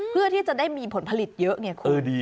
เพื่อที่จะได้มีผลผลิตเยอะไงคุณ